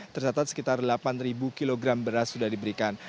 tersatat sekitar delapan kg beras sudah dibutuhkan